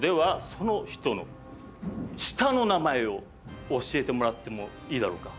その人の下の名前を教えてもらってもいいだろうか。